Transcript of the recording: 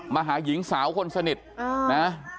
มาหาหญิงสาวคนสนิทนะ